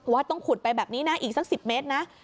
ต้องขุดไปแบบนี้นะอีกสัก๑๐เมตรนะ